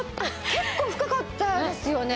結構深かったですよね。